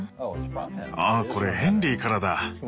あっこれヘンリーからだ！